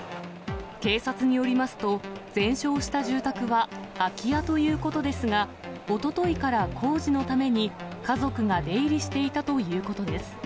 警察によりますと、全焼した住宅は、空き家ということですが、おとといから工事のために家族が出入りしていたということです。